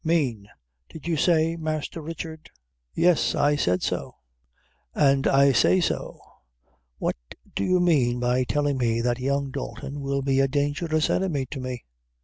Mane, did you say, Masther Richard?" "Yes, I said so, and I say so; what do you mean by telling me that young Dalton will be a dangerous enemy to me?"